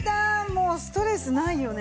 もうストレスないよね。